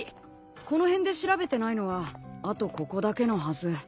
この辺で調べてないのはあとここだけのはず。